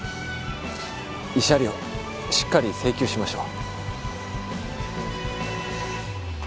慰謝料しっかり請求しましょう。